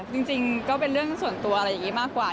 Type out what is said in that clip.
จริงก็เป็นเรื่องส่วนตัวอะไรอย่างนี้มากกว่า